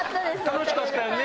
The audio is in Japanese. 楽しかったね